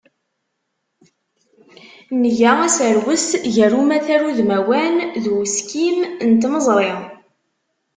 Nga aserwes gar umatar udmawan, d uskim n tmeẓri.